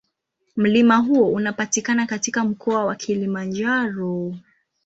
Mlima huo unapatikana katika Mkoa wa Kilimanjaro.